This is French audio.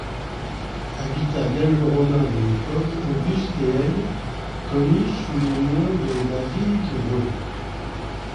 Habitat gallo-romain de l'époque augustéenne connu sous le nom de la Ville-des-Gaules.